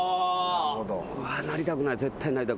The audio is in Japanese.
なりたくない絶対なりたくない。